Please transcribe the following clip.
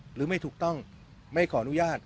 หรือไม่ถูกต้องไม่ขออนุญาต